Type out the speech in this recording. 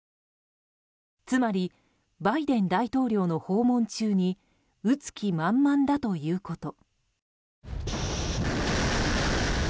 つまり、バイデン大統領の訪問中に撃つ気満々だということ。